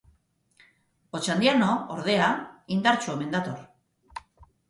Otxandiano, ordea, indartsu omen dator.